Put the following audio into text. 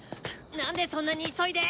何でそんなに急いで？